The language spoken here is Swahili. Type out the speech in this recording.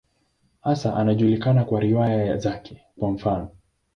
Hasa anajulikana kwa riwaya zake, kwa mfano.